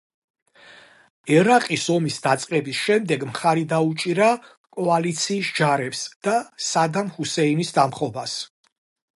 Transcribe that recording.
ერაყის ომის დაწყების შემდეგ მხარი დაუჭირა კოალიციის ჯარებს და სადამ ჰუსეინის დამხობას.